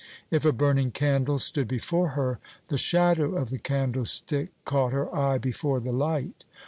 If a burning candle stood before her, the shadow of the candlestick caught her eye before the light.